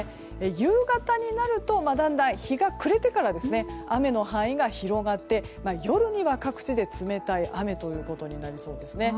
夕方になるとだんだん日が暮れてから雨の範囲が広がって夜には各地で冷たい雨ということになりそうですね。